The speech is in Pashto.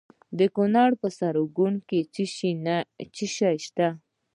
د کونړ په سرکاڼو کې څه شی شته؟